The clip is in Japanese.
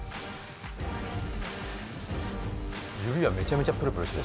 指がめちゃくちゃプルプルして。